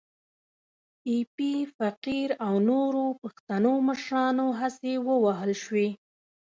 د ایپي فقیر او نورو پښتنو مشرانو هڅې ووهل شوې.